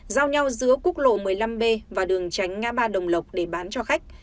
giao nhau giữa quốc lộ một mươi năm b và đường tránh ngã ba đồng lộc để bán cho khách